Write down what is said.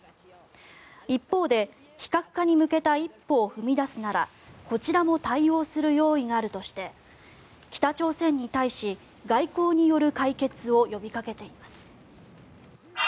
一方で、非核化に向けた一歩を踏み出すならこちらも対応する用意があるとして北朝鮮に対し、外交による解決を呼びかけています。